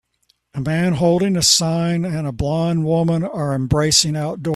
A man holding a sign and a blond woman are embracing outdoors